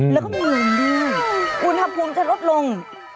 แล้วก็มือลืมอุณหภูมิจะลดลง